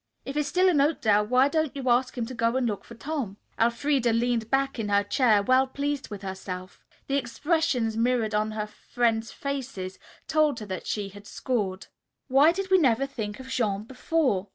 If he's still in Oakdale, why don't you ask him to go and look for Tom?" Elfreda leaned back in her chair, well pleased with herself. The expressions mirrored on her friends' faces told her that she had scored. "Why did we never think of Jean before?"